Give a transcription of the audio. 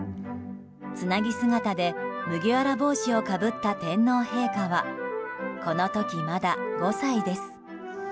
つなぎ姿で麦わら帽子をかぶった天皇陛下はこの時まだ、５歳です。